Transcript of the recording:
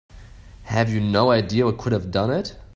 Have you no idea who could have done it?